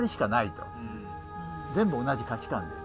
全部同じ価値観で。